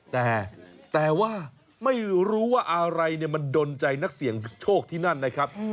แต่ว่าไม่รู้ว่าอะไรเนี่ยมันดนใจนักเสี่ยงโชคที่นั่นนะครับ